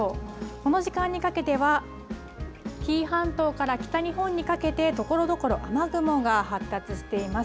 この時間にかけては、紀伊半島から北日本にかけて、ところどころ雨雲が発達しています。